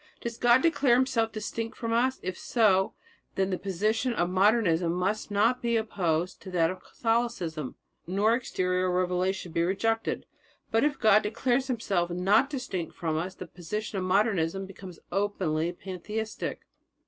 "Does God declare Himself distinct from us? If so, then the position of Modernism must not be opposed to that of Catholicism, nor exterior revelation be rejected. But if God declares Himself not distinct from us, the position of Modernism becomes openly pantheistic."